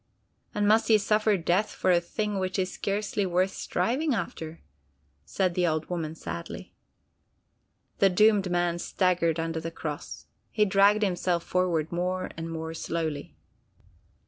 "And must he suffer death for a thing which is scarcely worth striving after?" said the old woman sadly. The doomed man staggered under the cross. He dragged himself forward more and more slowly.